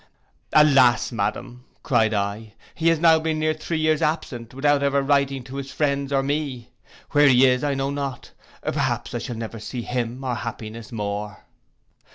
'Alas! Madam,' cried I, 'he has now been near three years absent, without ever writing to his friends or me. Where he is I know not; perhaps I shall never see him or happiness more.